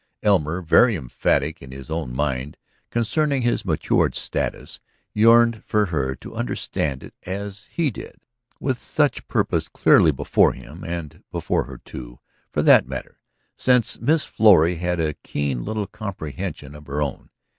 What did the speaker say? Elmer, very emphatic in his own mind concerning his matured status, yearned for her to understand it as he did. With such purpose clearly before him ... and before her, too, for that matter, since Miss Florrie had a keen little comprehension of her own